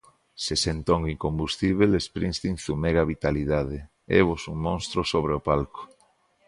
Sesentón incombustíbel, Sprinsgteen zumega vitalidade, évos un monstro sobre o palco.